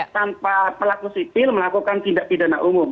tanpa pelaku sipil melakukan tindak pidana umum